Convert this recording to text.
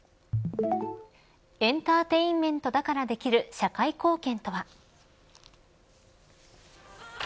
エンターテインメントだからできる社会貢献とは。